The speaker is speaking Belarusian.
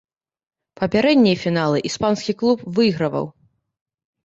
Папярэднія фіналы іспанскі клуб выйграваў.